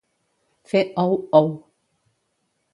Fer ou, ou.